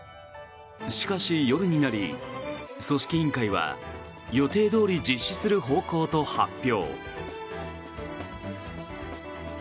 しかし、夜になり組織委員会は予定どおり実施する方向と発表。